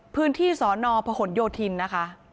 พื้นที่สอนอพะห่นโยธินนะคะ